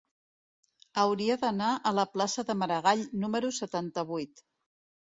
Hauria d'anar a la plaça de Maragall número setanta-vuit.